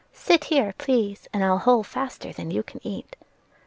Sit here, please, and I'll hull faster than you can eat."